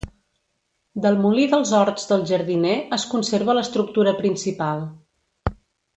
Del Molí dels Horts del Jardiner es conserva l'estructura principal.